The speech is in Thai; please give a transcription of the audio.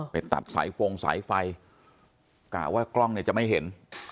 ไปตัดสายฟงสายไฟกะว่ากล้องเนี่ยจะไม่เห็น